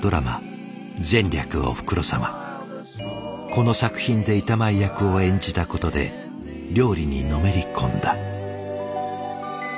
この作品で板前役を演じたことで料理にのめり込んだ。